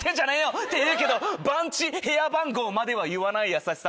っていうけど番地部屋番号までは言わない優しさ。